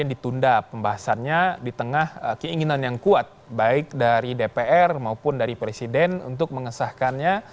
ditunda pembahasannya di tengah keinginan yang kuat baik dari dpr maupun dari presiden untuk mengesahkannya